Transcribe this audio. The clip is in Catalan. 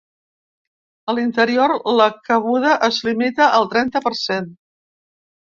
A l’interior, la cabuda es limita al trenta per cent.